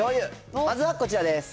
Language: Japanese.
まずはこちらです。